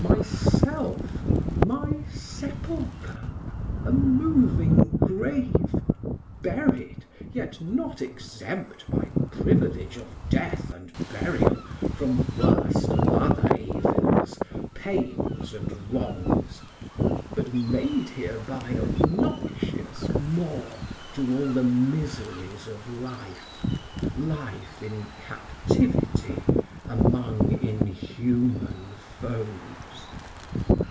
My self, my Sepulcher, a moving Grave, Buried, yet not exempt By priviledge of death and burial From worst of other evils, pains and wrongs, But made hereby obnoxious more To all the miseries of life, Life in captivity Among inhuman foes.